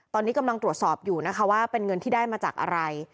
ตอนนี้กำลังตรวจสอบอยู่นะคะว่าเป็นเงินที่ได้มาจากอะไร